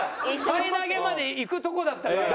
パイ投げまでいくとこだったから。